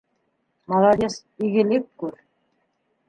Молодец, игелек күр.